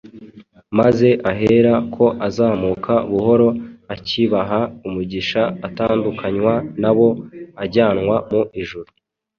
maze ahera ko azamuka buhoro, “Akibaha umugisha, atandukanywa nabo, ajyanwa mu ijuru.